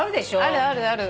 あるあるある。